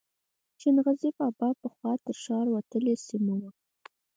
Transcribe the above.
شین غزي بابا پخوا تر ښار وتلې سیمه وه.